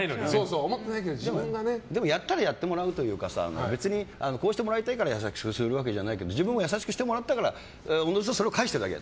でもやったらやってもらうというか別にこうしてもらいたいからそうするわけじゃないけど自分も優しくしてもらったからおのずとそれを返してるだけ。